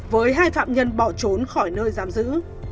với hai phạm nhân bỏ trốn khỏi nơi giam giữ